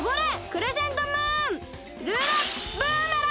クレセントムーン！